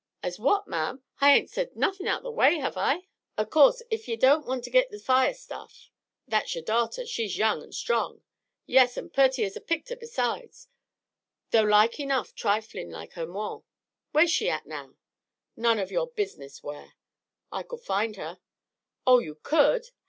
"As what, ma'am? I hain't said nothin' out'n the way, have I? O' course, ef ye don't want to git the fire stuff, thar's yer darter she's young an' strong. Yes, an' perty as a picter besides, though like enough triflin', like her maw. Where's she at now?" "None of your business where." "I could find her." "Oh, you could!